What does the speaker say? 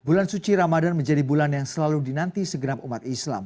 bulan suci ramadan menjadi bulan yang selalu dinanti segenap umat islam